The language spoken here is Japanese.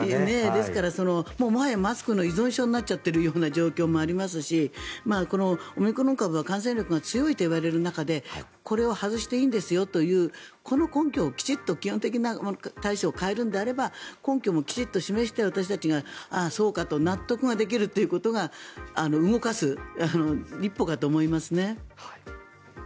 ですから、マスクの依存症になっちゃっている状況もありますしオミクロン株は感染力が強いといわれている中でこれを外していいんですよというこの根拠をきちんと基本的な対処を変えるのであれば根拠もきちんと示して私たちが、ああそうかと納得ができるということが動かす一歩かと思いますね。